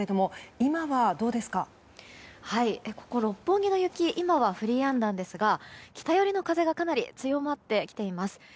今は降りやんだんですが北寄りの風がかなり強まってきています。